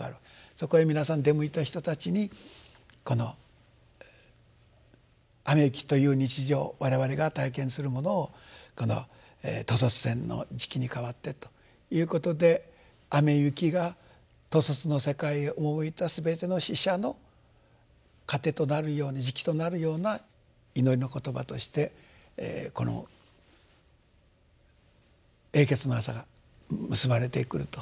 そこへ皆さん出向いた人たちにこの雨雪という日常我々が体験するものをこの兜率天の食に変わってということで雨雪が兜率の世界へ赴いたすべての死者の資糧となるように食となるような祈りの言葉としてこの「永訣の朝」が結ばれてくると。